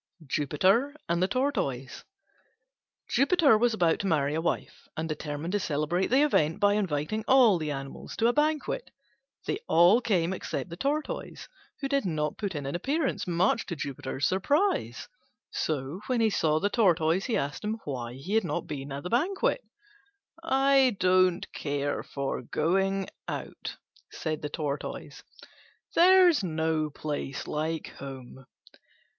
JUPITER AND THE TORTOISE Jupiter was about to marry a wife, and determined to celebrate the event by inviting all the animals to a banquet. They all came except the Tortoise, who did not put in an appearance, much to Jupiter's surprise. So when he next saw the Tortoise he asked him why he had not been at the banquet. "I don't care for going out," said the Tortoise; "there's no place like home."